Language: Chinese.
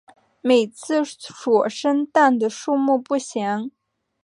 每次所生蛋的数目不详。